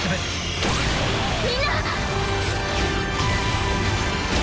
みんな！